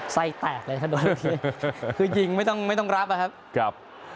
ใส่แตกเลยคือหยิงไม่ต้องรับนะครับ